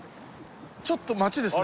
ちょっと街ですね